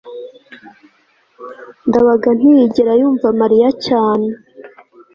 ndabaga ntiyigera yumva mariya cyane